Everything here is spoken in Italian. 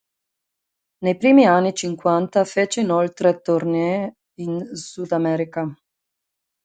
Nei primi anni cinquanta fece inoltre tournée in Sudamerica.